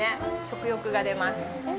食欲が出ます。